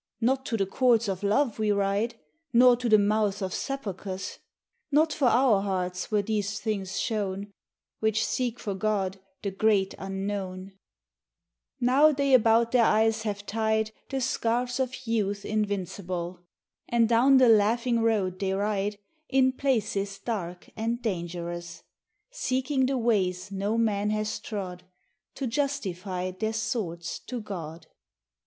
Not to the courts of love we ride, Nor to the mouths of sepulchres ; Not for our hearts were these things shown, Which seek for God, the Great Unknown." 8 THE UNKNOWN ROAD Now they about their eyes have tied The scarves of youth invincible, And down the laughing road they ride, In places dark and dangerous, Seeking the ways no man has trod, To justify their swords to God.